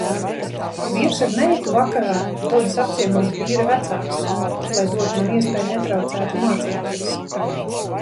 Vīrs ar meitu vakarā dodas apciemot vīra vecākus, lai dotu man iespēju netraucēti mācīties.